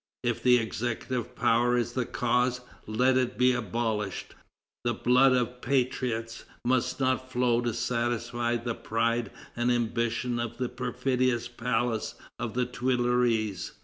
If the executive power is the cause, let it be abolished. The blood of patriots must not flow to satisfy the pride and ambition of the perfidious palace of the Tuileries."